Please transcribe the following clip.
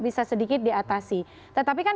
bisa sedikit diatasi tetapi kan